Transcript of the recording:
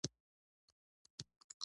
همداسې د نظامي ګنجوي په مشهور غزل کې.